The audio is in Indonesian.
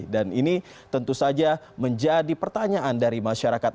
dan ini tentu saja menjadi pertanyaan dari masyarakat